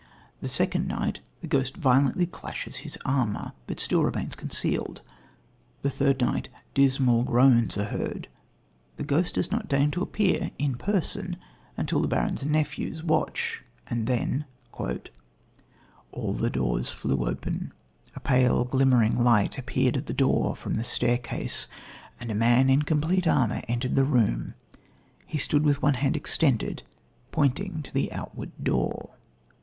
The second night the ghost violently clashes his armour, but still remains concealed. The third night dismal groans are heard. The ghost does not deign to appear in person until the baron's nephews watch, and then: "All the doors flew open, a pale glimmering light appeared at the door from the staircase, and a man in complete armour entered the room: he stood with one hand extended pointing to the outward door."